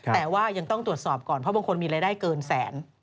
แต่ว่ายังต้องตรวจสอบก่อนเพราะบางคนมีรายได้เกินแสน